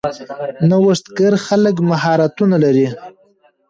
نوښتګر خلک مهارتونه لري.